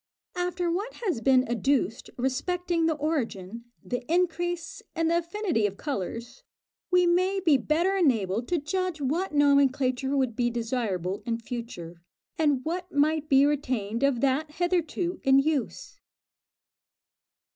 After what has been adduced respecting the origin, the increase, and the affinity of colours, we may be better enabled to judge what nomenclature would be desirable in future, and what might be retained of that hitherto in use.